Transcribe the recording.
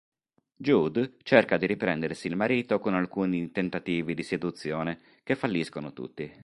Jude cerca di riprendersi il marito con alcuni tentativi di seduzione, che falliscono tutti.